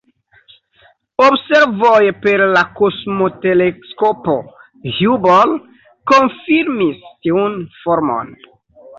Observoj per la kosmoteleskopo Hubble konfirmis tiun formon.